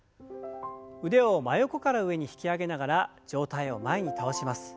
腕を真横から上に引き上げながら上体を前に倒します。